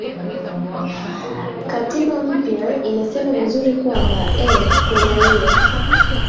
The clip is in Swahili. katiba mpya inasema vizuri kwamba eh kuna ile